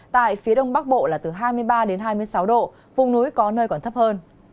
tại phía đông bắc bộ là từ hai mươi ba đến hai mươi sáu độ vùng núi có nơi còn thấp hơn